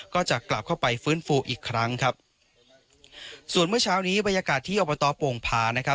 ก็จะกลับเข้าไปฟื้นฟูอีกครั้งครับส่วนเมื่อเช้านี้บรรยากาศที่อบตโป่งพานะครับ